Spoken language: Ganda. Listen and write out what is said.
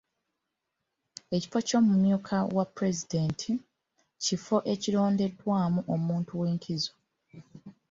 Ekifo ky'omumyuka wa pulezidenti, kifo ekirondebwamu omuntu ew'enkizo.